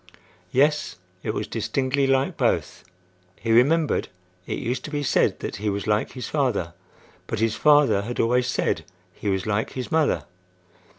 Yes, it was distinctly like both. He remembered it used to be said that he was like his father; but his father had always said he was like his mother.